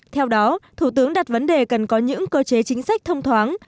theo đó thủ tướng đặt vấn đề cần có những cơ chế chính sách thông thoáng